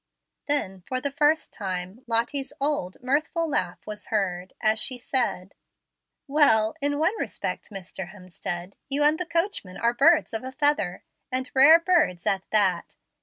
Then, for the first time, Lottie's old, mirthful laugh was heard, as she said: "Well, in one respect, Mr. Hemstead, you and the coachman are birds of a feather, and rare birds at that.